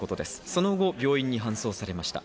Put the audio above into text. その後、病院に搬送されました。